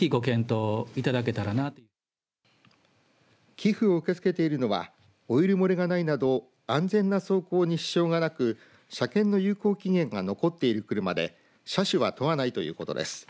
寄付を受け付けているのはオイル漏れがないなど安全な走行に支障がなく車検の有効期限が残っている車で車種は問わないということです。